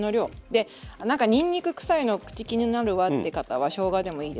で何かにんにく臭いの口気になるわって方はしょうがでもいいですし。